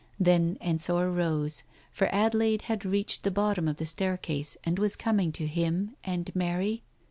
... Then Ensor rose, for Adelaide had reached the bottom of the staircase and was coming to him, and Mary.